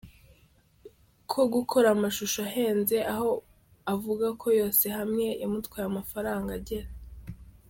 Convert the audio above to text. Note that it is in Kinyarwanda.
ko gukora amashusho ahenze aho avuga ko yose hamwe yamutwaye amafaranga agera.